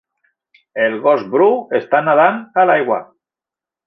El gos bru està nedant a l'aigua